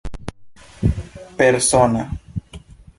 persona